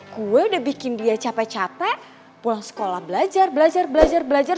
gue udah bikin dia capek capek pulang sekolah belajar belajar belajar belajar belajar